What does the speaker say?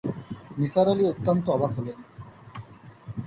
নিসার আলি অত্যন্ত অবাক হলেন।